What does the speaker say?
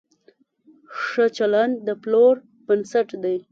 ښه چلند د پلور بنسټ دی.